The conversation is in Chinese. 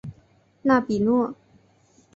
纳比诺。